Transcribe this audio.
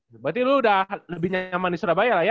berarti lu udah lebih nyaman di surabaya lah ya